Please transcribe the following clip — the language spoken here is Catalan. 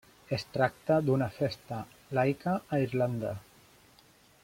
Es tracta d'una festa laica a Irlanda.